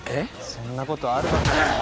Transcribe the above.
そんなことあるわけ。